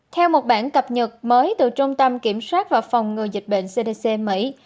theo một bản cập nhật mới từ trung tâm kiểm soát và phòng ngừa dịch bệnh cdc mỹ